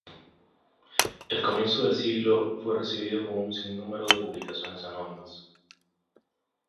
El comienzo de siglo fue recibido con un sinnúmero de publicaciones anónimas.